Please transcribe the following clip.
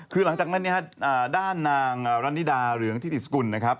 คือหลังจากนั้นด้านนางรรณิดาเหลืองทิติสกุลนะครับ